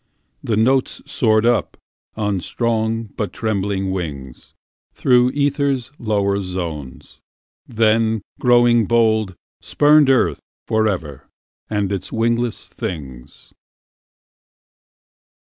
The notes soared up, on strong but trembling wings, Through ether's lower zones; then, growing bold, Spurned earth for ever and its wingless things.